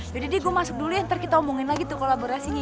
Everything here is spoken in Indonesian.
deh gue masuk dulu ya ntar kita omongin lagi tuh kolaborasinya